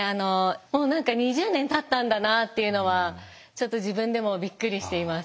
もう何か２０年たったんだなっていうのはちょっと自分でもびっくりしています。